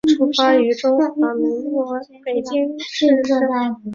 出生于中华民国北京市生。